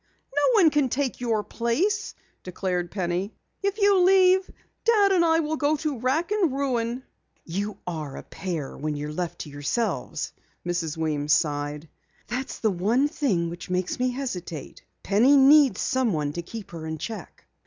"No one can take your place," declared Penny. "If you leave, Dad and I will go to wrack and ruin." "You are a pair when you're left to yourselves," Mrs. Weems sighed. "That's the one thing which makes me hesitate. Penny needs someone to keep her in check."